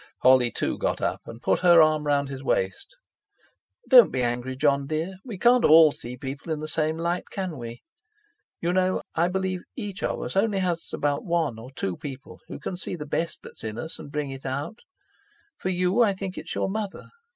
Holly, too, got up, and put her arm round his waist. "Don't be angry, Jon dear. We can't all see people in the same light, can we? You know, I believe each of us only has about one or two people who can see the best that's in us, and bring it out. For you I think it's your mother.